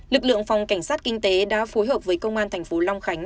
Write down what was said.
lực lượng phòng cảnh sát kinh tế đã phối hợp với công an thành phố long khánh